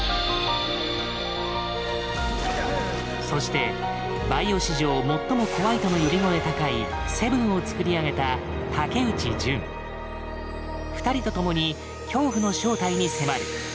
そしてバイオ史上最も怖いとの呼び声高い「７」を作り上げた２人と共に恐怖の正体に迫る。